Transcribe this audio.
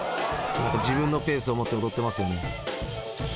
自分のペースを持って踊ってますよね。